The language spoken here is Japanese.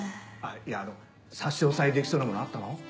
いやあの差し押さえできそうなものあったの？